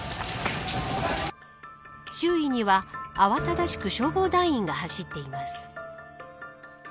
周囲には慌ただしく消防団員が走っています。